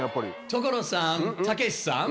所さんたけしさん。